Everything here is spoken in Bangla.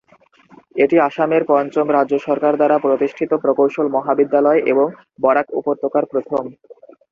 এটি আসামের পঞ্চম রাজ্য সরকারের দ্বারা প্রতিষ্ঠিত প্রকৌশল মহাবিদ্যালয় এবং বরাক উপত্যকার প্রথম।